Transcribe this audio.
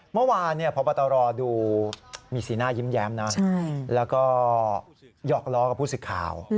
เมื่อวานเนี่ยพระบัตรรอดูมีสีหน้ายิ้มแย้มนะแล้วก็หยอกล้อกับผู้ศึกข่าว